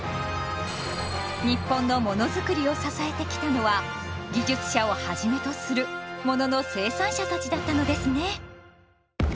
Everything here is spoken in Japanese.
日本のものづくりを支えてきたのは技術者をはじめとするものの生産者たちだったのですね。